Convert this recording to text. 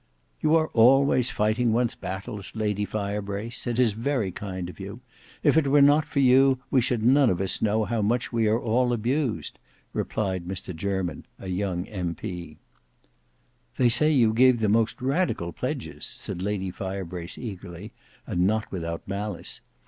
"You are always fighting one's battles Lady Firebrace; it is very kind of you. If it were not for you, we should none of us know how much we are all abused," replied Mr Jermyn, a young M.P. "They say you gave the most radical pledges," said Lady Firebrace eagerly, and not without malice.